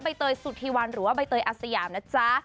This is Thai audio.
เตยสุธีวันหรือว่าใบเตยอาสยามนะจ๊ะ